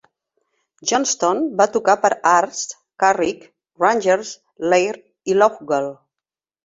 Johnstone va tocar per Ards, Carrick Rangers, Larne i Loughgall.